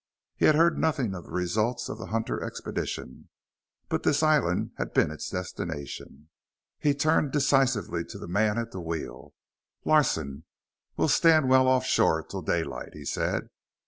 He had heard nothing of the results of the Hunter expedition. But this island had been its destination. He turned decisively to the man at the wheel. "Larsen, we'll stand well offshore till daylight," he said.